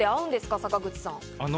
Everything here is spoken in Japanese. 坂口さん。